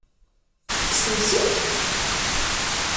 Tekksem-t-id?